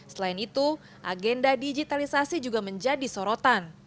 selain itu agenda digitalisasi juga menjadi sorotan